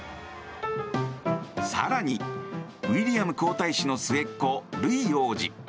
更に、ウィリアム皇太子の末っ子ルイ王子。